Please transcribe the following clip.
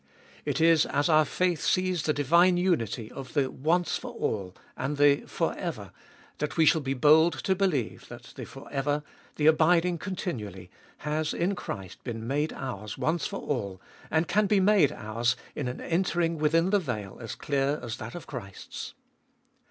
It is as our faith sees the divine unity of the once for all and the for ever, that we shall be bold to believe that the for ever, the abiding continually, has in Christ been made ours once for all, and can be made ours in an entering within the veil as clear as that of Christ's.